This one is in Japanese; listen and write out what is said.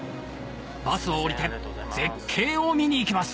・バスを降りて絶景を見に行きます